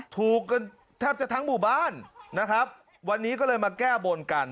ถูกตัวแทบแต่ถ้างบุบาลนะครับวันนี้ก็เลยมาแก้บ้นกัน